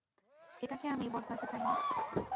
এটাকে আমি বদলাতে চাই না।